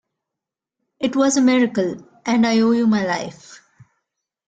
It was a miracle, and I owe you my life.